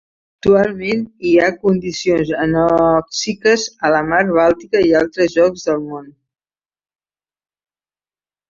Actualment hi ha condicions anòxiques a la Mar Bàltica i altres llocs del món.